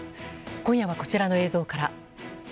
今夜は、こちらの映像から。